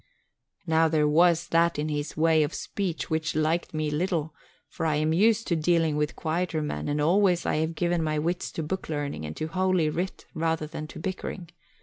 "Now there was that in his way of speech which liked me little, for I am used to dealing with quieter men and always I have given my wits to booklearning and to Holy Writ rather than to bickering.